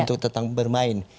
untuk tentang bermain